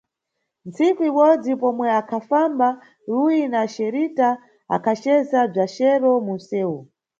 Ntsiku ibodzi, pomwe akhafamba Ruyi na Xerita, akhaceza bza chero munʼsewu.